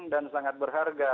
dan sangat berharga